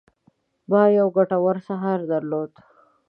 ما یو ګټور سهار درلود.